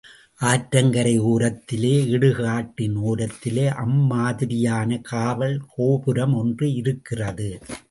ஆற்றங்கரையோரத்திலே, இடுகாட்டின் ஓரத்திலே அம்மாதிரியான காவல் கோபுரம் ஒன்று இருக்கிறது.